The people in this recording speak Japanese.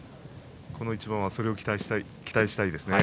この一番がそれを期待したいです。